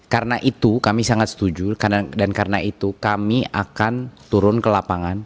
karena itu kami sangat setuju dan karena itu kami akan turun ke lapangan